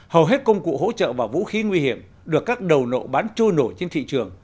hầu hết công cụ hỗ trợ và vũ khí nguy hiểm được các đầu nậu bán trôi nổi trên thị trường